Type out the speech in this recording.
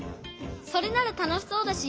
それならたのしそうだし